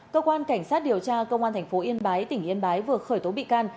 cơ quan cảnh sát điều tra công an tp yên bái tỉnh yên bái vừa khởi tố bị can